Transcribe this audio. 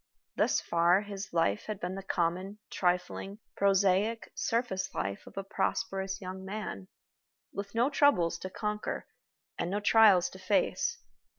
Thus far his life had been the common, trifling, prosaic, surface life of a prosperous young man, with no troubles to conquer and no trials to face.